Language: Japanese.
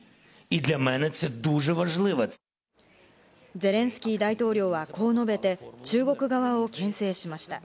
ゼレンスキー大統領はこう述べて、中国側を牽制しました。